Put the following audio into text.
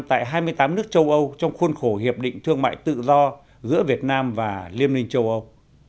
tại hai mươi tám nước châu âu trong khuôn khổ hiệp định thương mại tự do giữa việt nam và liên minh châu âu